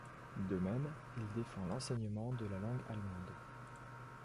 De même, il défend l'enseignement de la langue allemande.